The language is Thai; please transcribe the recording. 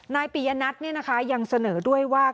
ปียนัทยังเสนอด้วยว่า